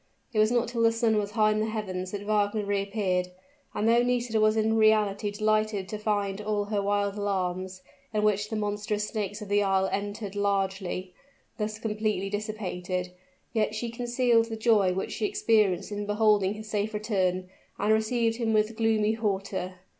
It was not till the sun was high in the heavens that Wagner reappeared; and though Nisida was in reality delighted to find all her wild alarms, in which the monstrous snakes of the isle entered largely, thus completely dissipated, yet she concealed the joy which she experienced in beholding his safe return, and received him with gloomy hauteur.